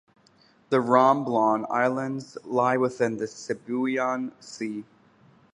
The Romblon Islands lie within the Sibuyan Sea.